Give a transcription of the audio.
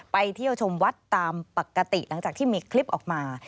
ไปเที่ยวชมวัดตามปกติหลังจากที่มีคลิปออกมา